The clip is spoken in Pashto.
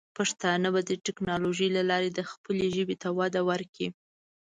پښتانه به د ټیکنالوجۍ له لارې د خپلې ژبې ته وده ورکړي.